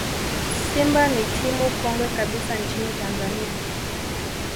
simba ni timu kongwe kabisa nchini tanzania